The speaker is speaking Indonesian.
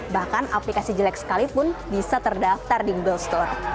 bahkan aplikasi jelek sekalipun bisa terdaftar di google store